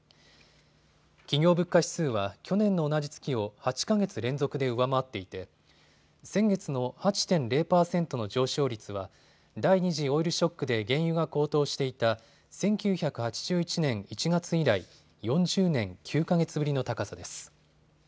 企業物価指数は去年の同じ月を８か月連続で上回っていて先月の８．０％の上昇率は第２次オイルショックで原油が高騰していた１９８１年１月以来、４０年９か月ぶりの高さです。